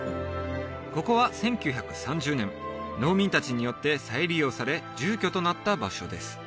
ここは１９３０年農民達によって再利用され住居となった場所です